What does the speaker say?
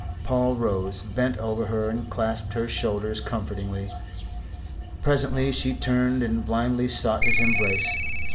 Paul rose, bent over her and clasped her shoulders comfortingly. Presently she turned and blindly sought his embrace.